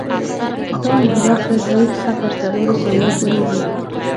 دا انحراف له درې څخه تر څلورو ثانیو پورې وي